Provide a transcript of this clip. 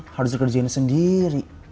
harus dikerjain sendiri